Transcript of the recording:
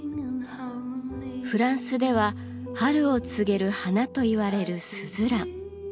フランスでは春を告げる花といわれるスズラン。